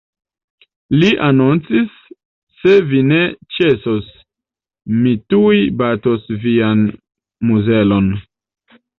Li anoncis; "Se vi ne ĉesos, mi tuj batos vian muzelon!".